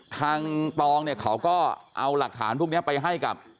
ตองเนี่ยเขาก็เอาหลักฐานพวกนี้ไปให้กับ